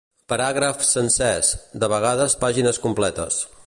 Paràgrafs sencers, de vegades pàgines completes.